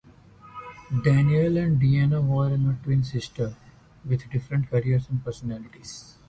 Danielle and Deanna Warren are twin sisters with different careers and personalities.